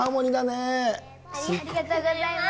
ありがとうございます。